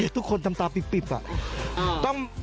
ทุกคนตามตาบิบอย่างนี้